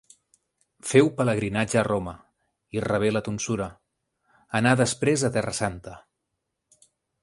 Féu pelegrinatge a Roma i hi rebé la tonsura; anà després a Terra Santa.